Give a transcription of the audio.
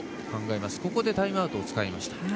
ここでタイムアウトを使いました。